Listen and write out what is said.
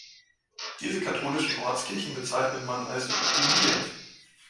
Diese katholischen Ostkirchen bezeichnet man als "uniert".